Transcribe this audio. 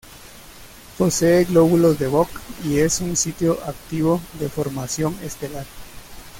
Posee glóbulos de Bok y es un sitio activo de formación estelar.